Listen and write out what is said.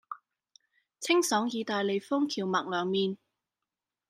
清爽義大利風蕎麥涼麵